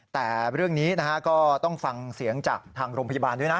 แต่เรื่องนี้นะฮะก็ต้องฟังเสียงจากทางโรงพยาบาลด้วยนะ